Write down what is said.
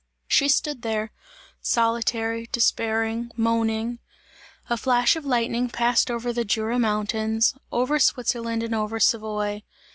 She stood there, solitary, despairing, moaning. A flash of lightning passed over the Jura mountains, over Switzerland and over Savoy.